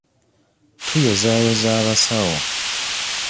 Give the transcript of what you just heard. Tuyozaayoza abasawo.